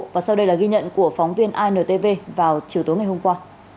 và sau đây là ghi nhận của phóng viên intv vào chiều tối ngày hôm qua